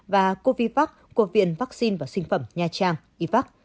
và covid của viện vaccine và sinh phẩm nha trang ivac